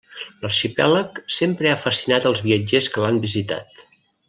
L'arxipèlag sempre ha fascinat els viatgers que l'han visitat.